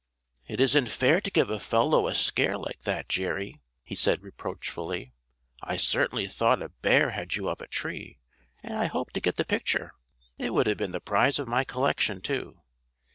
"It isn't fair to give a fellow a scare like that, Jerry," he said reproachfully. "I certainly thought a bear had you up a tree, and I hoped to get the picture. It would have been the prize of my collection, too.